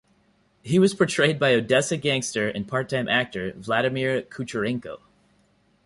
He was portrayed by Odessa gangster and part-time actor Vladimir Kucherenko.